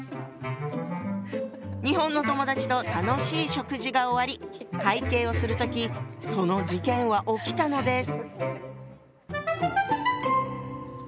日本の友だちと楽しい食事が終わり会計をする時その事件は起きたのです。